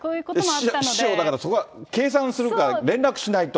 師匠だからそこは計算するか、連絡しないと。